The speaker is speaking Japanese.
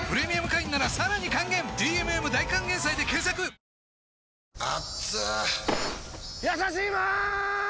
「ビオレ」やさしいマーン！！